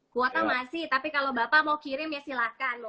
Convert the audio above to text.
kuota masih tapi kalau bapak mau kirim ya silahkan